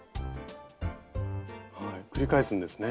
繰り返すんですね。